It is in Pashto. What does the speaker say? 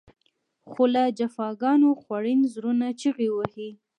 خو له جفاګانو خوړین زړونه چغې وهي.